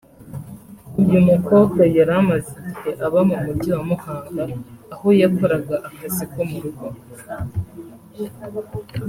uyu mukobwa yari amaze igihe aba mu mujyi wa Muhanga aho yakoraga akazi ko mu rugo